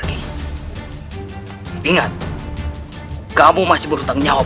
dan ini adalah kebenaranmu